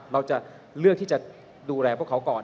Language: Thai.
เราจะเลือกที่จะดูแลพวกเขาก่อน